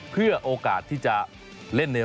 โปรดติดตามต่อไป